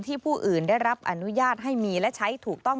ผู้อื่นได้รับอนุญาตให้มีและใช้ถูกต้อง